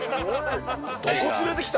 どこ連れてきた？